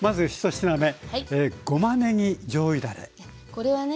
これはね